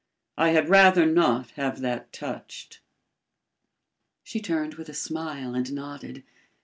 I had rather not have that touched." She turned with a smile and nodded.